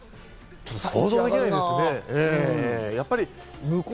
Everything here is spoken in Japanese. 想像できないですね。